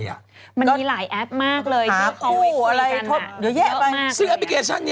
คุณหมอโดนกระช่าคุณหมอโดนกระช่า